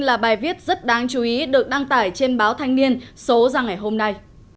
là bài viết rất đáng chú ý được đăng tải trên báo thanh niên số ra ngày hôm nay